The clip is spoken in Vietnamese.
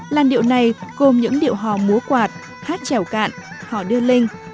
làn điệu này gồm những điệu hò múa quạt hát trèo cạn hò đưa linh